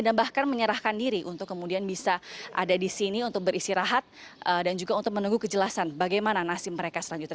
bahkan menyerahkan diri untuk kemudian bisa ada di sini untuk beristirahat dan juga untuk menunggu kejelasan bagaimana nasib mereka selanjutnya